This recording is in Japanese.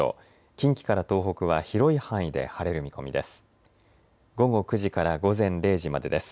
近畿から東北は広い範囲で晴れる見込みです。